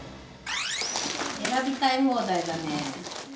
選びたい放題だね。